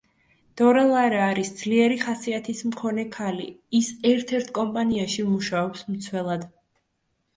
დორა ლარა არის ძლიერი ხასიათის მქონე ქალი, ის ერთ-ერთ კომპანიაში მუშაობს მცველად.